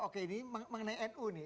oke ini mengenai nu nih